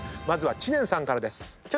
まずは知念さんからです。